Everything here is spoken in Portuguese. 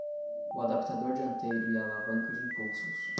O adaptador dianteiro e a alavanca de impulsos